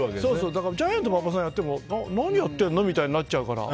だからジャイアント馬場さんをやっても何やってんの？みたいになっちゃうから。